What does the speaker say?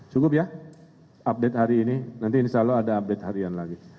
cukup ya update hari ini nanti insya allah ada update harian lagi